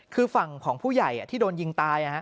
คือฝั่งของผู้ใหญ่ที่โดนยิงตาย